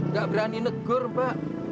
gak berani negur mba